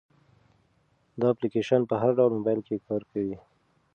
دا اپلیکیشن په هر ډول موبایل کې کار کوي.